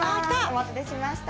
お待たせしました。